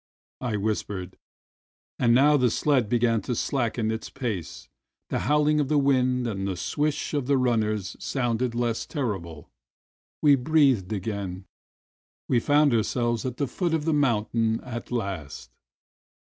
I whispered. And now the sled began to slacken its pace, the howling of the wind and the swish of the runners sounded less terrible, we breathed again, and found ourselves at the foot of the mountain at last.